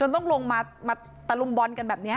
ต้องลงมาตะลุมบอลกันแบบนี้